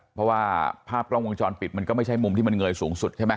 เพราะว่าภาพกล้องวงจรปิดมันก็ไม่ใช่มุมที่มันเงยสูงสุดใช่ไหม